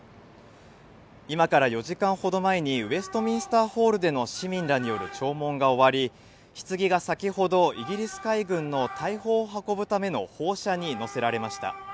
今から４時間ほど前に、ウェストミンスターホールでの市民らによる弔問が終わり、ひつぎが先ほど、イギリス海軍の大砲を運ぶための砲車に乗せられました。